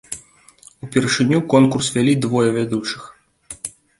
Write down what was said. Упершыню конкурс вялі двое вядучых.